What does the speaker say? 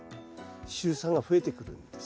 シュウ酸が増えてくるんです。